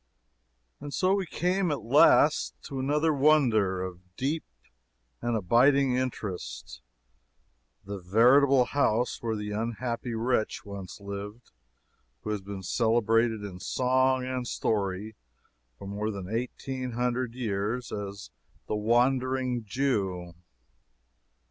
And so we came at last to another wonder, of deep and abiding interest the veritable house where the unhappy wretch once lived who has been celebrated in song and story for more than eighteen hundred years as the Wandering Jew.